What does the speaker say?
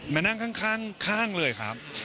มานั่งข้างเลยครับ